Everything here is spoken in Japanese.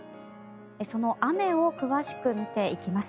その雨を詳しく見ていきます。